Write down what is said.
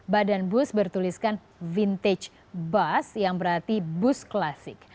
badan bus bertuliskan vintage bus yang berarti bus klasik